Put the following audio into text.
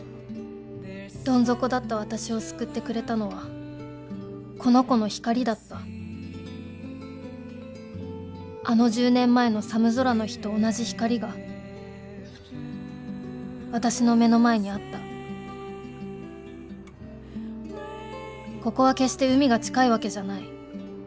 どん底だった私を救ってくれたのはこの子の光だったあの１０年前の寒空の日と同じ光が私の目の前にあったここは決して海が近いわけじゃない。